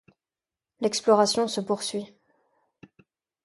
L'exploration se poursuit.